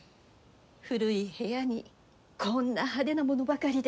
古い部屋にこんな派手なものばかりで。